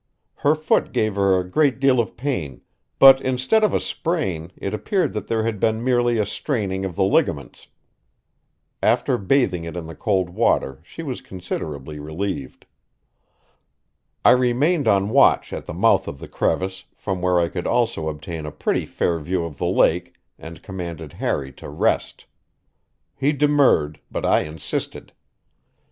Her foot gave her a great deal of pain, but instead of a sprain it appeared that there had been merely a straining of the ligaments. After bathing it in the cold water she was considerably relieved. I remained on watch at the mouth of the crevice, from where I could also obtain a pretty fair view of the lake, and commanded Harry to rest. He demurred, but I insisted.